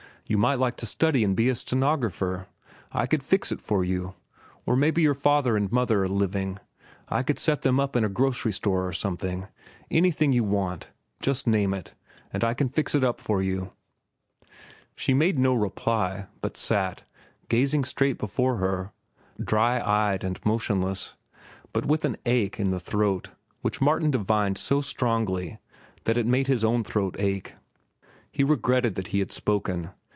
You might like to study and be a stenographer. I could fix it for you. Or maybe your father and mother are living—I could set them up in a grocery store or something. Anything you want, just name it, and I can fix it for you." She made no reply, but sat, gazing straight before her, dry eyed and motionless, but with an ache in the throat which Martin divined so strongly that it made his own throat ache. He regretted that he had spoken.